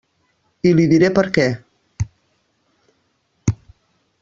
I li diré per què.